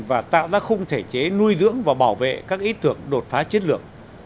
và tạo ra khung thể chế nuôi dưỡng và bảo vệ các ý tưởng đột phá chiến lược